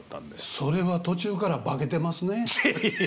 それは途中から化けてますね。